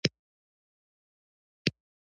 د تندور ډوډۍ ډېر ښه خوند لري.